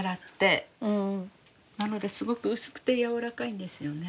なのですごく薄くて柔らかいんですよね。